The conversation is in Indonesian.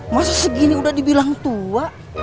masa segini udah dibilang tua